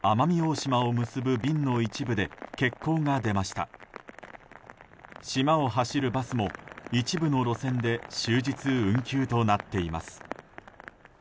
島を走るバスも、一部の路線で終日運休となっています。